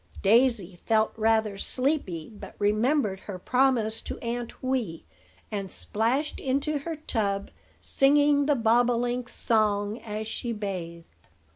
Daisy felt rather sleepy, but remembered her promise to Aunt Wee, and splashed into her tub, singing the bob o link's song as she bathed.